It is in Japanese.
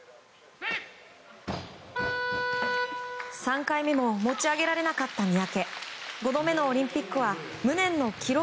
３回目も持ち上げられなかった三宅。